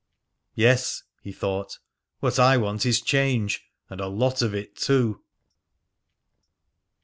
"Yes," he thought, "what I want is change and a lot of it too!"